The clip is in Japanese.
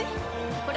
これ！